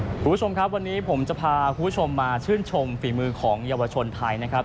คุณผู้ชมครับวันนี้ผมจะพาคุณผู้ชมมาชื่นชมฝีมือของเยาวชนไทยนะครับ